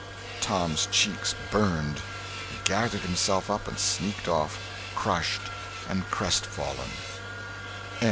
Tom's cheeks burned. He gathered himself up and sneaked off, crushed and crestfallen.